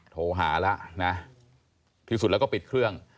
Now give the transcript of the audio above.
โทรหาแล้วนะที่สุดแล้วก็ปิดเครื่อง